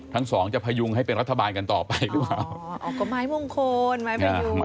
ทั้งสองจะพยุงให้เป็นรัฐบาลกันต่อไปหรือเปล่า